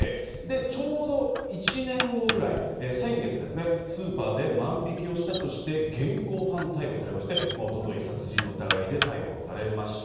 ちょうど１年後ぐらい、先月ですね、スーパーで万引をしたとして現行犯逮捕されまして、一昨日、殺人の疑いで逮捕されました。